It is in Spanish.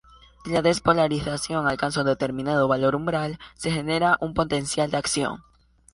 Si la despolarización alcanza un determinado valor umbral, se genera un potencial de acción.